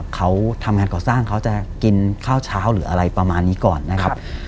เขาทำงานก่อสร้างเขาจะกินข้าวเช้าหรืออะไรประมาณนี้ก่อนนะครับ